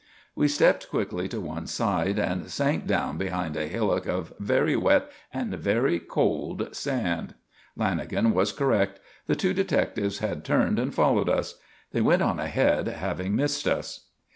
We stepped quickly to one side and sank down behind a hillock of very wet and very cold sand. Lanagan was correct. The two detectives had turned and followed us. They went on ahead, having missed us.